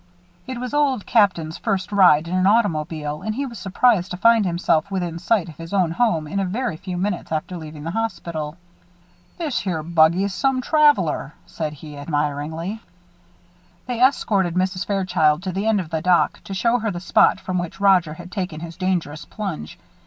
It was Old Captain's first ride in an automobile, and he was surprised to find himself within sight of his own home in a very few minutes after leaving the hospital. "This here buggy's some traveler," said he, admiringly. They escorted Mrs. Fairchild to the end of the dock, to show her the spot from which Roger had taken his dangerous plunge.